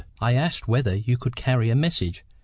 "I asked whether you could carry a message.